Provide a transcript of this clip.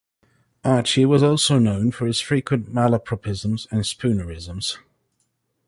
Archie was also known for his frequent malapropisms and spoonerisms.